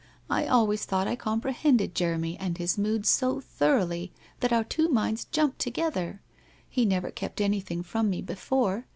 I always thought I comprehended Jeremy and his moods so thoroughly, that our two minds jumped together. He never kept anything from me before.